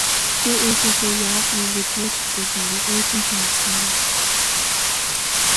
Гэхдээ ээжээсээ яав ийв гэж юу ч асуусангүй, ээж нь ч юм ярьсангүй.